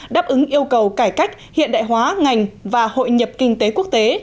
đáp ứng yêu cầu cải cách hiện đại hóa ngành và hội nhập kinh tế quốc tế